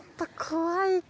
怖い！